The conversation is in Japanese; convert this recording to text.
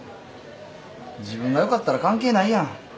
自分がよかったら関係ないやん。